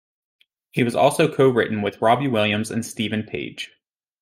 He has also co-written with Robbie Williams and Steven Page.